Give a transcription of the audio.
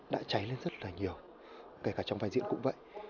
đã cháy lên rất là nhiều kể cả trong vai diễn cũng vậy